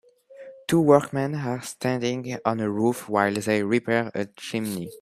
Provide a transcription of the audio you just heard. Two workmen are standing on a roof while they repair a chimney.